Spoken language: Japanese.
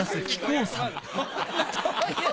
どういう。